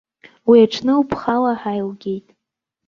Уи аҽны лԥхала ҳаилгеит.